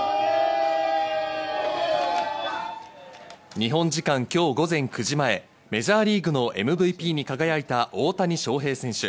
日本時間今日午前９時前、メジャーリーグのＭＶＰに輝いた大谷翔平選手。